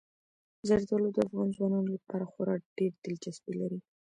زردالو د افغان ځوانانو لپاره خورا ډېره دلچسپي لري.